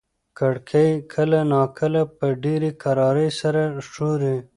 کړکۍ کله ناکله په ډېرې کرارۍ سره ښوري.